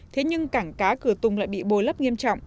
thế nhưng cảng cá cửa tùng lại bị bồi lấp nghiêm trọng